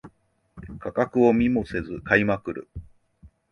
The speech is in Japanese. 価格を見もせず買いまくる